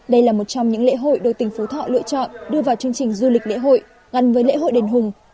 đây là một trong những lễ hội được tỉnh phú thọ lựa chọn đưa vào chương trình du lịch lễ hội gắn với lễ hội đền hùng